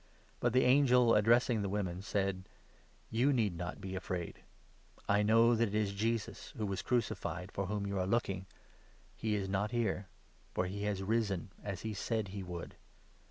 But the angel, addressing the 5 women, said :" You need not be afraid. I know that it is Jesus, who was crucified, for whom you are looking. He is not here ; for he 6 has risen, as he said he would.